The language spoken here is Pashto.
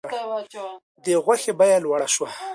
د غوښې بیه لوړه شوه.